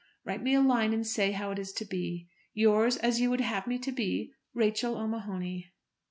Write me a line, and say how it is to be. Yours as you would have me to be, RACHEL O'MAHONY.